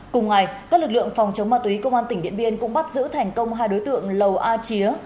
cùng ngày các lực lượng phòng chống ma túy công an tỉnh điện biên cũng bắt giữ thành công hai đối tượng lầu a chía